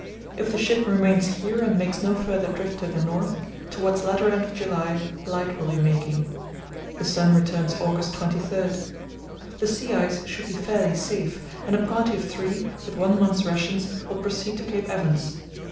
If the ship remains here and makes no further drift to the north, towards latter end of July light will be making. The sun returns August 23. The sea ice should be fairly safe, and a party of three, with one month's rations, will proceed to Cape Evans.